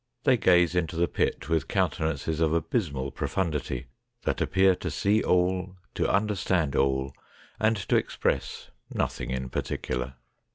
They gaze into the pit with countenances of abysmal profundity, that appear to see all, to understand all, and to express nothing in particular.